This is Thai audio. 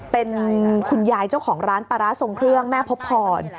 เป็นคุณยายเจ้าของร้านปลาร้าทรงเครื่องแม่พบพร